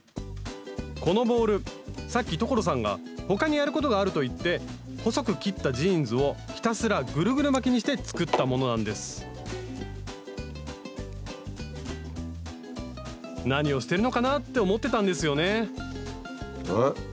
このボールさっき所さんが他にやることがあると言って細く切ったジーンズをひたすらグルグル巻きにして作ったものなんです何をしてるのかなって思ってたんですよねえ？